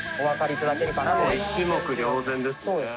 一目瞭然ですね。